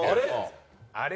あれ？